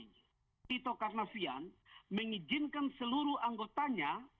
dan kemudian diperkirakan oleh tito karnavian mengizinkan seluruh anggotanya